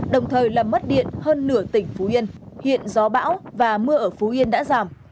đồng thời làm mất điện hơn nửa tỉnh phú yên hiện gió bão và mưa ở phú yên đã giảm